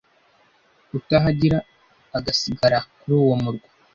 utahagíra agasigara kuri uwo murwa